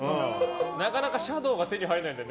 なかなかシャドーが手に入らなくて。